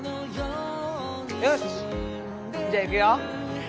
よしじゃあいくよ。